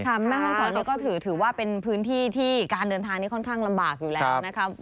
แม่ห้องศรนี่ก็ถือว่าเป็นพื้นที่ที่การเดินทางนี้ค่อนข้างลำบากอยู่แล้วนะครับ